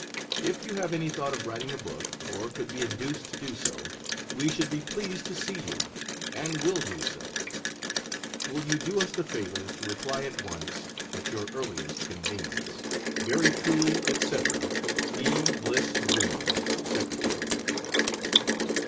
If you have any thought of writing a book, or could be induced to do so, we should be pleased to see you; and will do so. Will you do us the favor to reply at once, at your earliest convenience. Very truly, &c., E. BLISS, Jr. Secty.